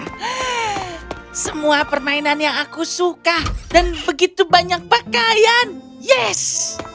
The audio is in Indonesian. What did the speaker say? hah semua permainan yang aku suka dan begitu banyak pakaian yes